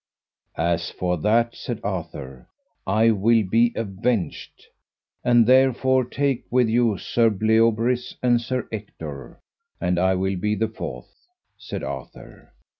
As for that, said Arthur, I will be avenged; and therefore take with you Sir Bleoberis and Sir Ector, and I will be the fourth, said Arthur.